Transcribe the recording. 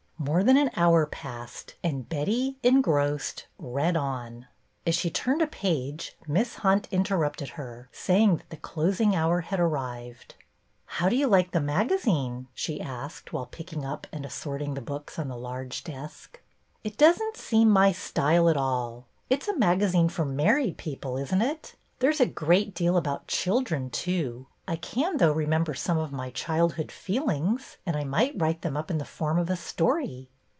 More than an hour passed, and Betty, en grossed, read on. As she turned a page Miss Hunt interrupted her, saying that the closing hour had arrived. How do you like the magazine? " she asked, while picking up and assorting the books on the large desk. "MY MOTHER'S JOURNAL" 25 It does n't seem my style at all. It 's a maga zine for married people, is n't it? There 's a great deal about children, too. I can, though, remem ber some of my childhood feelings, and I might write them up in the form of a story.